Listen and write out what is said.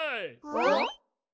あっ？